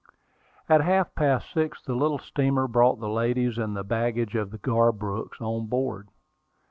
At half past six the little steamer brought the ladies and the baggage of the Garbrooks on board.